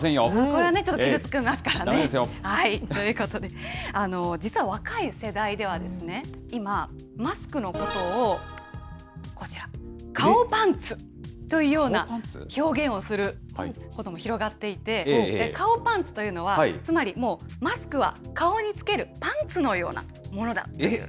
これはね、ちょっと傷つきますからね。ということで、実は若い世代ではですね、今、マスクのことをこちら、顔パンツというような表現をすることも広がっていて、顔パンツというのは、つまりもうマスクは顔に着けるパンツのようなものだという。